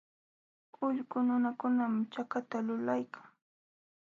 Ullqu nunakunam chakata lulaykan.